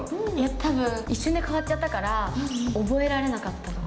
多分一瞬で変わっちゃったから覚えられなかったとか。